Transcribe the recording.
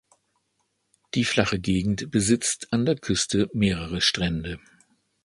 Die flache Gegend besitzt an der Küste mehrere Strände.